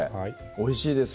おいしいです